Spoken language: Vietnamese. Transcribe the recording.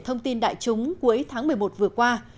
thông tin đại chúng cuối tháng một mươi một vừa qua